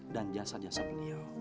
dan jasa jasa beliau